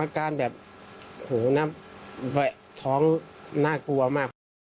อาการแบบหูหน้าแวะท้องน่ากลัวมาก